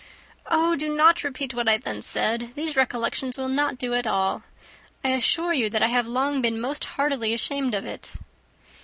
"Oh, do not repeat what I then said. These recollections will not do at all. I assure you that I have long been most heartily ashamed of it."